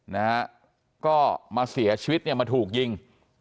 นะฮะก็มาเสียชีวิตเนี่ยมาถูกยิง